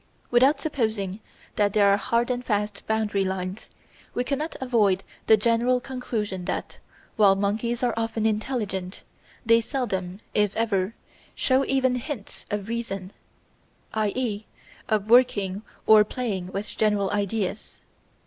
Without supposing that there are hard and fast boundary lines, we cannot avoid the general conclusion that, while monkeys are often intelligent, they seldom, if ever, show even hints of reason, i.e. of working or playing with general ideas.